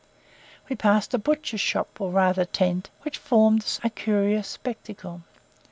We passed a butcher's shop, or rather tent, which formed a curious spectacle.